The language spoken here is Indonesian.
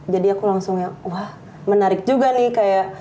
jadi aku langsung ya wah menarik juga nih kayak